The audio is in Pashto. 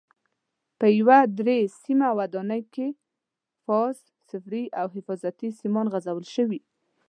په یوه درې سیمه ودانۍ کې فاز، صفري او حفاظتي سیمان غځول شوي.